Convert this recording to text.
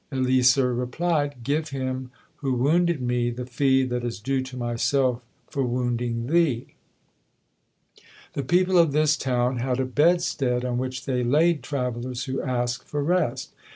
Eleasar replied "Give him who wounded me the fee that is due to myself for wounding thee." The people of this town had a bedstead on which they laid travellers who asked for rest.